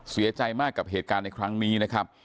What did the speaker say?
เสียใจมากกับเหตุการณ์ในครั้งนี้นะครับ